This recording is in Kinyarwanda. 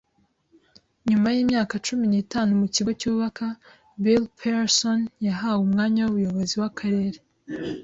Nyuma yimyaka cumi n'itanu mu kigo cyubaka, Bill Pearson yahawe umwanya wumuyobozi wakarere.